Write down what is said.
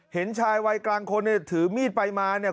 เห็นชายวัยกลางคนเนี่ยถือมีดไปมาเนี่ย